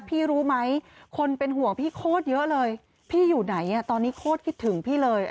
พี่อยู่ไหนตอนนี้โคตรคิดถึงพี่เลย